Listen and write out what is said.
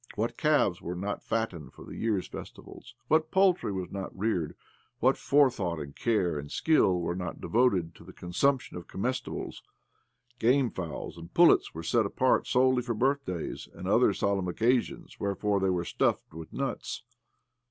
What calves were not fattened for the year's festivals I What poultry was not reared I What forethought and care and skill were not devoted to the consumption of comestibles I Game fowls and pullets 98 OBLOMOV were set apart solely for birthdays and other solemn occasions ; wherefore they were stuffed with nuts.